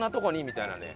みたいなね。